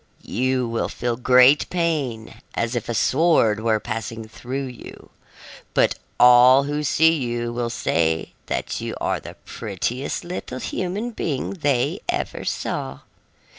"You will feel great pain, as if a sword were passing through you. But all who see you will say that you are the prettiest little human being they ever saw.